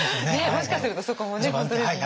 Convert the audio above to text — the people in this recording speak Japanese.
もしかするとそこもね本当ですね。